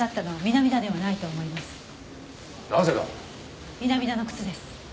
南田の靴です。